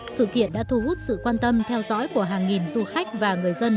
sự kiện đã thu hút sự quan tâm theo dõi của hàng nghìn du khách và người dân